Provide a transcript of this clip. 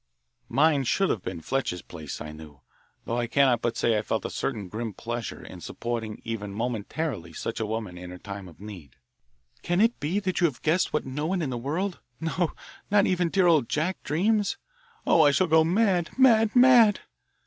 Mine should have been Fletcher's place, I knew, though I cannot but say that I felt a certain grim pleasure in supporting even momentarily such a woman in her time of need. "Can it be that you have guessed what no one in the world, no, not even dear old Jack, dreams Oh, I shall go mad, mad, mad!"